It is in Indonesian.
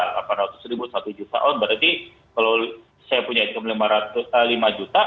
delapan ratus ribu satu juta on berarti kalau saya punya income lima juta